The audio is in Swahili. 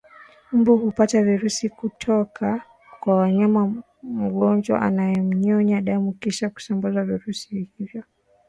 Mbu hupata virusi kutoka kwa mnyama mgonjwa anapomnyonya damu Kisha husambaza virusi hivyo